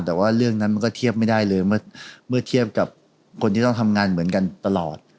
แต่ว่าเรื่องนั้นมันก็เทียบไม่ได้เลยเมื่อเทียบกับคนที่ต้องทำงานเหมือนกันตลอด